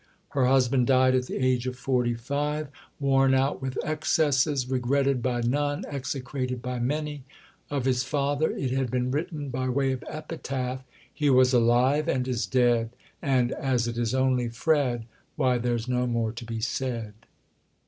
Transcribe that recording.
Her husband died at the age of forty five, worn out with excesses, regretted by none, execrated by many. Of his father it had been written by way of epitaph: "He was alive and is dead, And, as it is only Fred, Why, there's no more to be said."